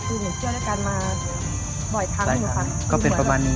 คือหนูเที่ยวด้วยกันมาบ่อยครั้งอยู่ค่ะก็เป็นประมาณนี้